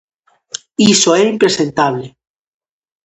Iso é impresentable.